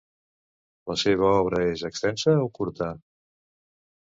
La seva obra és extensa o curta?